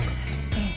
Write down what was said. ええ。